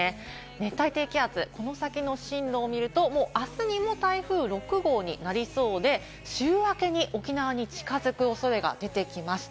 熱帯低気圧、この先の進路を見ると、もうあすにも台風６号になりそうで、週明けに沖縄に近づく恐れが出てきました。